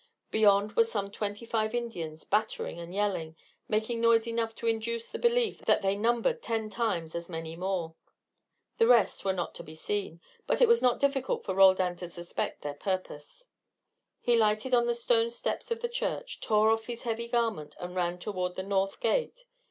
Beyond were some twenty five Indians battering and yelling, making noise enough to induce the belief that they numbered ten times as many more. The rest were not to be seen, but it was not difficult for Roldan to suspect their purpose. He lighted on the stone steps of the church, tore off his heavy garment, and ran toward the north gate.